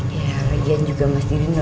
iya regian juga masih rindu